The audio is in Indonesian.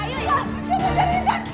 saya bisa cari indah